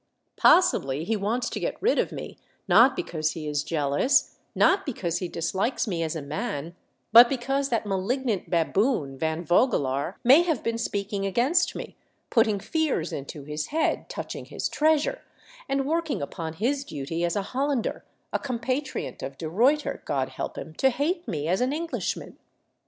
Possibly he wants to get rid of me, not because he is jealous, not because he dislikes me as a man, but because that malignant baboon, Van Vogelaar, may have been speaking against me, putting fears into his head touching his treasure, and working upon his duty as a Hollander — a compatriot of De Ruyter, God help him — to hate me as an English man."